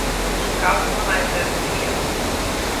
Sí capall na hoibre an bia